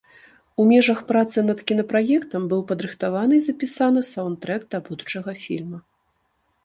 У межах працы над кінапраектам быў падрыхтаваны і запісаны саўндтрэк да будучага фільма.